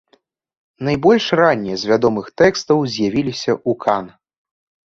Найбольш раннія з вядомых тэкстаў з'явіліся ў кан.